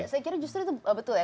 saya kira justru itu betul ya